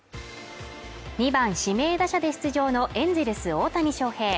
２番指名打者で出場のエンゼルス大谷翔平